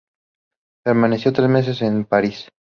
Permaneció tres meses en París.